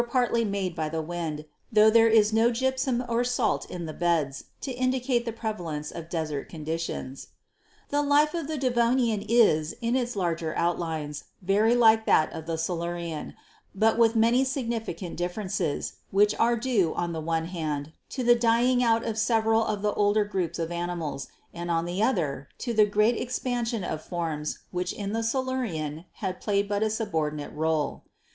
partly made by the wind, tho there is no gypsum or salt in the beds to indicate the prevalence of desert conditions. "The life of the Devonian is, in its larger outlines, very like that of the Silurian, but with many significant differ ences, which are due, on the one hand, to the dying out of several of the older groups of animals, and on the other, to the great expansion of forms which in the Silurian had played but a subordinate role.